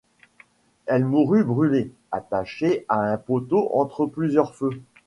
Elle mourut brûlée, attachée à un poteau entre plusieurs feux.